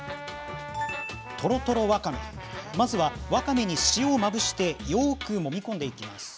トロトロわかめまずはわかめに塩をまぶしてよくもみ込んでいきます。